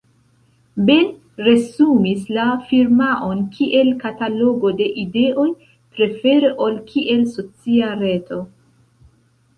Ben resumis la firmaon kiel "katalogo de ideoj", prefere ol kiel socia reto.